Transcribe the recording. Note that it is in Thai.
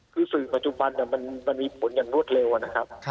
คือสื่อปัจจุบันมันมีผลอย่างรวดเร็วนะครับ